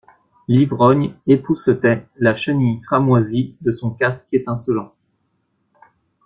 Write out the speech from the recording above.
L'ivrogne époussetait la chenille cramoisie de son casque étincelant.